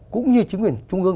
cũng như chính quyền trung ương